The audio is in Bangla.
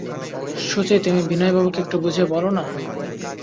সুচি, তুমি বিনয়বাবুকে একটু বুঝিয়ে বলো-না।